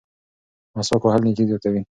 مسواک وهل نیکي زیاتوي.